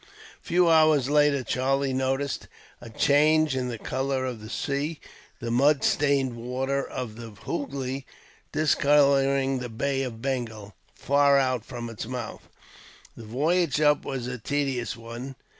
A few hours later, Charlie noticed a change in the colour of the sea, the mud stained waters of the Hoogly discolouring the Bay of Bengal, far out from its mouth. The voyage up was a tedious one.